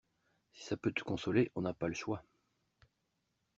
Si ça peut te consoler, on n'a pas le choix.